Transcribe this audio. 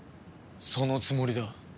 そのつもりだ。